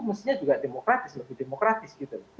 mestinya juga demokratis lebih demokratis gitu